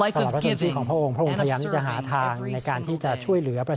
ซึ่งพระองค์ก็ได้ส่งปฏิบัติอย่างนั้นมาโดยตลอดนะครับ